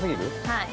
◆はい。